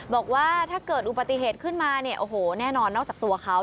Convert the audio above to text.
บอกว่าถ้าเกิดอุบัติเหตุขึ้นมาเนี่ยโอ้โหแน่นอนนอกจากตัวเขา